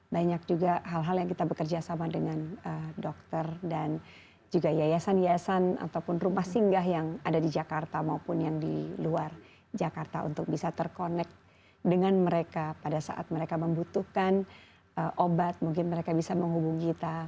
banyak juga hal hal yang kita bekerja sama dengan dokter dan juga yayasan yayasan ataupun rumah singgah yang ada di jakarta maupun yang di luar jakarta untuk bisa terkonek dengan mereka pada saat mereka membutuhkan obat mungkin mereka bisa menghubungi kita